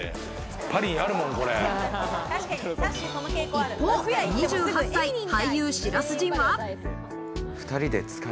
一方、２８歳、俳優・白洲迅は。